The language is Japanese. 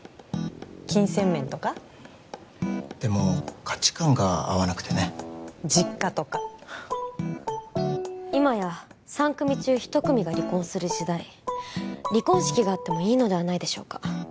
金銭面とかでも価値観が合わなくてね実家とか今や３組中１組が離婚する時代離婚式があってもいいのではないでしょうか？